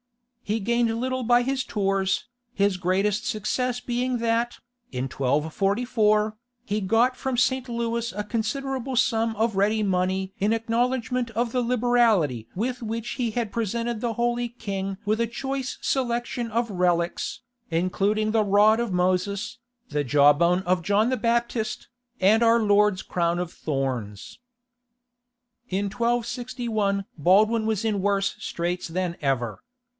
He gained little by his tours, his greatest success being that, in 1244, he got from St. Louis a considerable sum of ready money in acknowledgment of the liberality with which he had presented the holy king with a choice selection of relics, including the rod of Moses, the jawbone of John the Baptist, and our Lord's crown of thorns. In 1261 Baldwin was in worse straits than ever.